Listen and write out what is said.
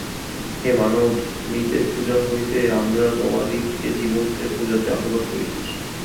হে মানব, মৃতের পূজা হইতে আমরা তোমাদিগকে জীবন্তের পূজাতে আহ্বান করিতেছি।